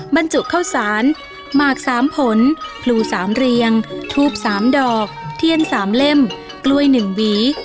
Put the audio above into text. บรรจุเข้าศาลมากสามผลผลูสามเรียงทูปสามดอกเทียนสามเล่มกล้วยหนึ่งวี